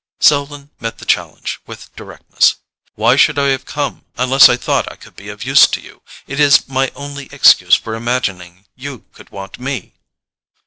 Selden met the challenge with directness. "Why should I have come, unless I thought I could be of use to you? It is my only excuse for imagining you could want me."